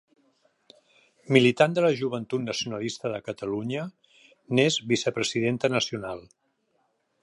Militant de la Joventut Nacionalista de Catalunya, n'és vicepresidenta nacional.